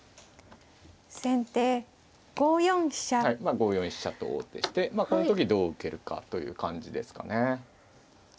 ５四飛車と王手してまあこの時どう受けるかという感じですかね。